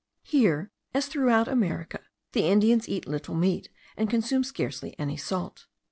Here, as throughout America, the Indians eat little meat, and consume scarcely any salt.